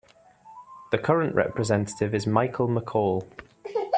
The current representative is Michael McCaul.